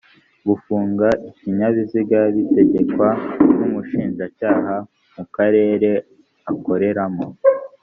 gufunga ikinyabiziga bitegekwa n umushinjacyaha mu karere akoreram